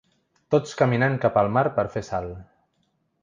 Tots caminant cap al mar per fer sal.